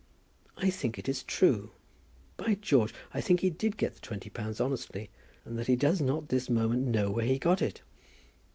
I think it is true. By George, I think he did get the twenty pounds honestly, and that he does not this moment know where he got it.